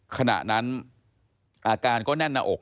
ขณะนั้นอาการก็แน่นหน้าอก